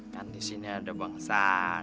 kan disini ada bangsa